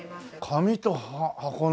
紙と箱の？